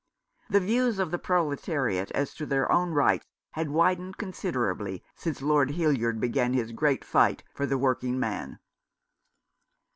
The views of the Proletariat as to their own rights had widened considerably since Lord Hildyard began his great fight for the working man.